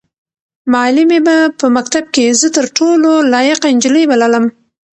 معلمې به په مکتب کې زه تر ټولو لایقه نجلۍ بللم.